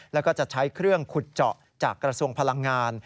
แล้วก็จะใช้เครื่องขุดเจาะจากกระทรวงพลังงาน